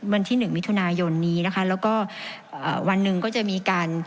วันที่หนึ่งมิถุนายนนี้นะคะแล้วก็วันหนึ่งก็จะมีการ